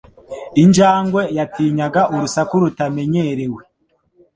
Injangwe yatinyaga urusaku rutamenyerewe.